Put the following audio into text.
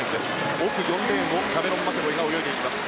奥、４レーンをキャメロン・マケボイが泳いでいきます。